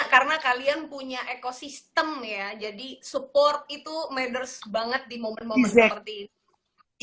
karena kalian punya ekosistem ya jadi support itu meders banget di momen momen seperti itu